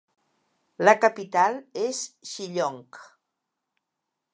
La capital és Shillong.